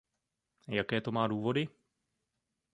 Jaké to má důvody?